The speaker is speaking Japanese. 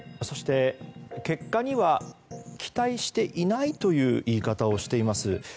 そして、結果には期待していないという言い方をしています。